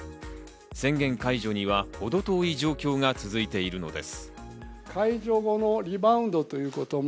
宣言解除には、ほど遠い状況が続いているのです。